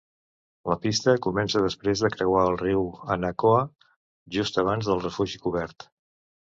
La pista comença després de creuar el riu Hanakoa, just abans del refugi cobert.